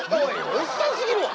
おっさんすぎるわ。